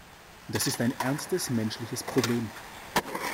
Das ist ein ernstes menschliches Problem.